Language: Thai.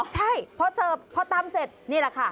ใช่พอเสิร์ฟพอตำเสร็จนี่แหละค่ะ